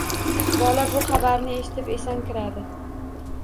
Bola bu xabarni eshitib, esankiradi